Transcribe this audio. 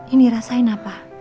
ini rasain apa